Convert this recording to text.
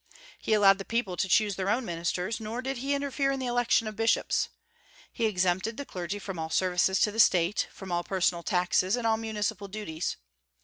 He allowed the people to choose their own ministers, nor did he interfere in the election of bishops. He exempted the clergy from all services to the State, from all personal taxes, and all municipal duties.